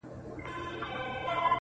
چي د جنګ پر نغارو باندي بل اور سو٫